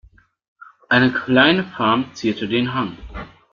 Eine kleine Farm zierte den Hang.